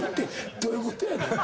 どういうことやねん